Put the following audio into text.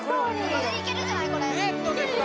・ここでいけるんじゃない？